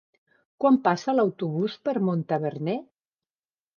Quan passa l'autobús per Montaverner?